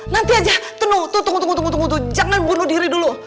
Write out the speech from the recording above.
nanti aja tunggu tunggu tunggu tunggu tunggu jangan bunuh diri dulu